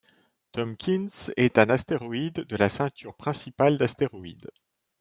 Tompkins est un astéroïde de la ceinture principale d'astéroïdes.